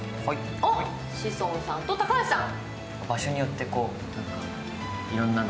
志尊さんと高橋さん。